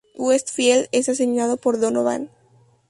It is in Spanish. Westfield es asesinado por Donovan.